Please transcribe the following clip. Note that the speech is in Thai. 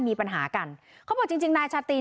มีปัญหากันเขาบอกจริงนายชาติเนี่ย